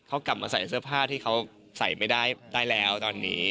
เขากลับมาใส่เสื้อผ้าที่เขาใส่ไม่ได้ได้แล้วตอนนี้